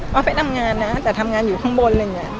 ว่าไปทำงานนะแต่ทำงานอยู่ข้างบน